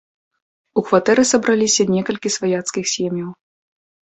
У кватэры сабраліся некалькі сваяцкіх сем'яў.